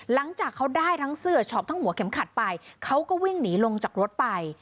หลังจากเขาได้ทั้งเสื้อช็อปทั้งหัวเข็มขัดไปเขาก็วิ่งหนีลงจากรถไป